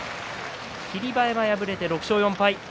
霧馬山、敗れて６勝４敗です。